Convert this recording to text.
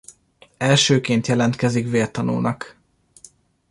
Elsőként jelentkezik vértanúnak.